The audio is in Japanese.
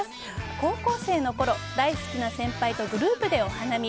高校生のころ大好きな先輩とグループでお花見。